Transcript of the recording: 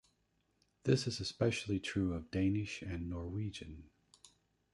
This is especially true of Danish and Norwegian.